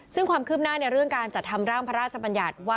ซึ่งความคื้มน่าในเรื่องค์การจัดทำร่างพระราชบรรยาชว่า